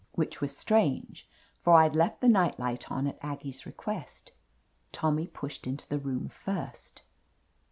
Which was strange, for Fd left the night light on at Aggie's request. Tommy pushed into the room first.